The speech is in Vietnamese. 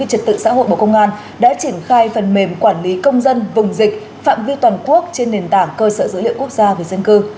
trật tự xã hội bộ công an đã triển khai phần mềm quản lý công dân vùng dịch phạm vi toàn quốc trên nền tảng cơ sở dữ liệu quốc gia về dân cư